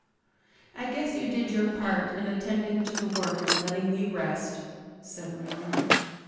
"I guess you did your part in attending to the work and letting me rest," said Marilla.